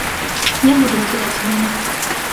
Не буду называць імёны.